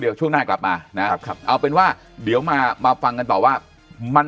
เดี๋ยวช่วงหน้ากลับมานะครับครับเอาเป็นว่าเดี๋ยวมามาฟังกันต่อว่ามัน